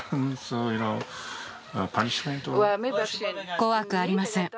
怖くありません。